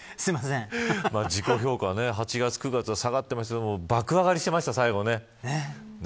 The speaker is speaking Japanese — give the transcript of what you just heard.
自己評価は８月、９月は下がってましたけど最後、爆上がりしてましたね。